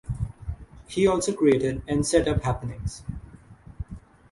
He also created and set up happenings.